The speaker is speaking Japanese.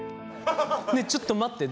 ちょっと待って。